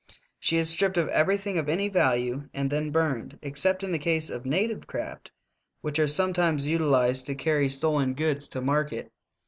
She is stripped of everything of any value and then burned, except in the case of native craft, which are sometimes utilized to carry stolen goods to market.